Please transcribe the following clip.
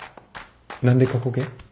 何で過去形？